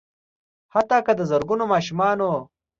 حتا که د زرګونو ماشومانو